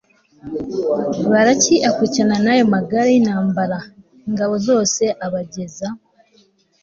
Baraki akurikira n ayo magare y intambara o n ingabo zose abageza